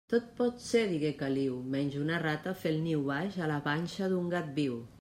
Tot pot ser, digué Caliu, menys una rata fer el niu baix la panxa d'un gat viu.